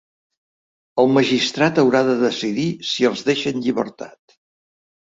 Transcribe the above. El magistrat haurà de decidir si els deixa en llibertat.